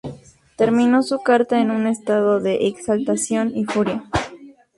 terminó su carta en un estado de exaltación y furia